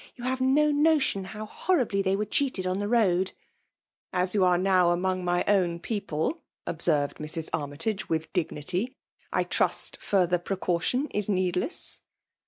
Yon have no notion how horribly they were cheated on the load I" As yon axe now among my own people/' observed BIrs. Axmytage, with dignity, ''I tntft fiurtber precaution is needless."